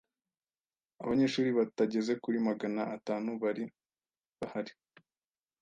Abanyeshuri batageze kuri magana atanu bari bahari.